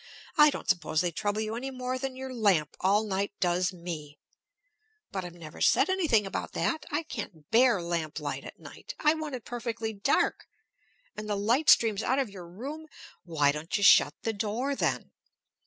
I don't suppose they trouble you any more than your lamp all night does me; but I've never said anything about that. I can't bear lamplight at night; I want it perfectly dark, and the light streams out of your room " "Why don't you shut the door, then?"